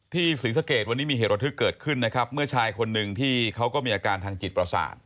ศรีสะเกดวันนี้มีเหตุระทึกเกิดขึ้นนะครับเมื่อชายคนหนึ่งที่เขาก็มีอาการทางจิตประสาท